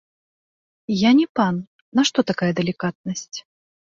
Я не пан, нашто такая далікатнасць?